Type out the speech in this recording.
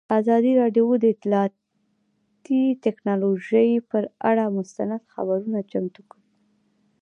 ازادي راډیو د اطلاعاتی تکنالوژي پر اړه مستند خپرونه چمتو کړې.